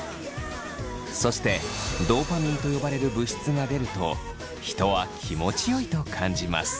そしてドーパミンと呼ばれる物質が出ると人は気持ちよいと感じます。